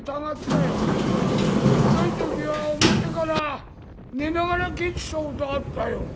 ひどい時は表から寝ながら帰ってきたことがあったよ。